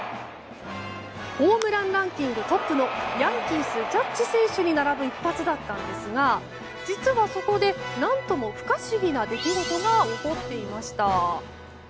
ホームランランキングトップのヤンキース、ジャッジ選手に並ぶ一発だったんですが実は、そこで何とも不可思議な出来事が起こっていました。